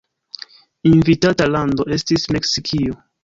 Invitata lando estis Meksikio.